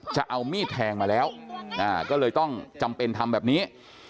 จะเอามีดแทงมาแล้วก็เลยต้องจำเป็นทำแบบนี้